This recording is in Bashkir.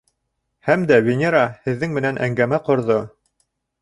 Һәм дә Венера һеҙҙең менән әңгәмә ҡорҙо.